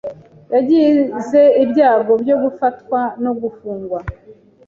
Yagize ibyago byo gufatwa no gufungwa.